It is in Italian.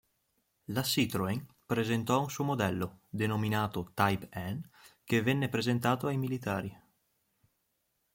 La Citroën presentò un suo modello, denominato Type N, che venne presentato ai militari.